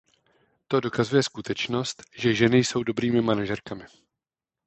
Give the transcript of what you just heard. To dokazuje skutečnost, že ženy jsou dobrými manažerkami.